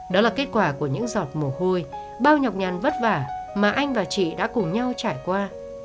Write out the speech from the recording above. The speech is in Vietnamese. đó là kết quả của những giọt mồ hôi bao nhọc nhằn vất vả mà anh và chị đã cùng nhau trải qua